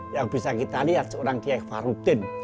yang bisa kita lihat seorang kiai farudin